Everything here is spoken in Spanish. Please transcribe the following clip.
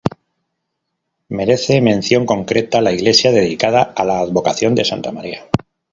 Merece mención concreta la iglesia, dedicada a la advocación de Santa Marina.